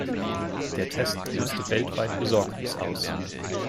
Der Test löste weltweit Besorgnis aus.